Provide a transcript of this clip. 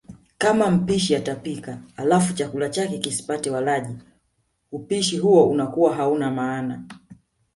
Kama mpishi atapika alafu chakula chake kisipate walaji, hupishi huo unakuwa hauna maana.